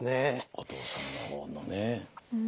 お父さんの方のね。